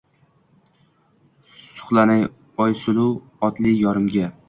Suqlanay Oysuluv otli yorimga